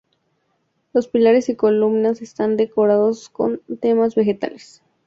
Los pilares y columnas están decorados con temas vegetales.